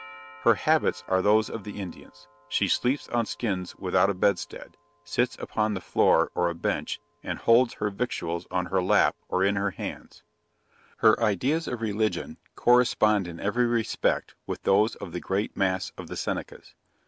Her habits, are those of the Indians she sleeps on skins without a bedstead, sits upon the floor or on a bench, and holds her victuals on her lap, or in her hands. Her ideas of religion, correspond in every respect with those of the great mass of the Senecas.